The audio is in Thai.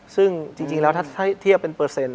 ซึ่งจริงแล้วถ้าเทียบเป็นเปอร์เซ็นต์